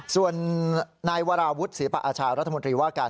ส่วนนวาราวุทธศิริปะอาชาบันดาลรัฐมนิริวาการ